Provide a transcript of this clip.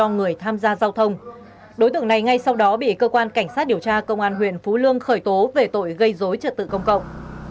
người tham gia giao thông đối tượng này ngay sau đó bị cơ quan cảnh sát điều tra công an huyện phú lương khởi tố về tội gây dối trật tự công cộng